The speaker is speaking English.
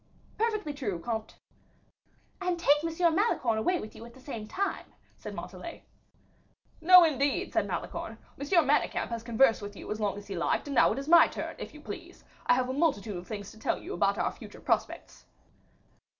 "Perfectly true, comte." "And take M. Malicorne away with you at the same time," said Montalais. "No, indeed," said Malicorne; "M. Manicamp has conversed with you as long as he liked, and now it is my turn, if you please; I have a multitude of things to tell you about our future prospects."